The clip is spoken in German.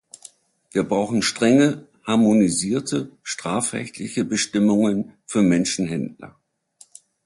Wir brauchen strenge, harmonisierte strafrechtliche Bestimmungen für Menschenhändler.